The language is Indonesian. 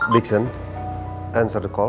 biksen jawab panggilan